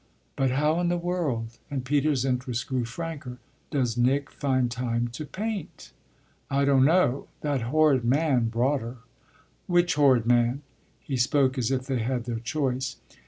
"But how in the world" and Peter's interest grew franker "does Nick find time to paint?" "I don't know. That horrid man brought her." "Which horrid man?" he spoke as if they had their choice.